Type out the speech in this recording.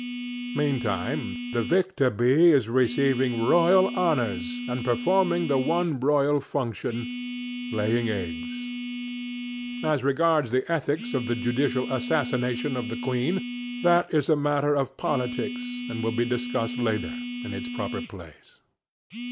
Meantime the victor bee is receiving royal honors and performing the one royal functionŌĆölaying eggs. As regards the ethics of the judicial assassination of the queen, that is a matter of politics, and will be discussed later, in its proper place.